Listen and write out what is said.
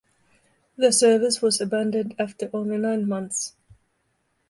The service was abandoned after only nine months.